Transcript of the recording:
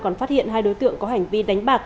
còn phát hiện hai đối tượng có hành vi đánh bạc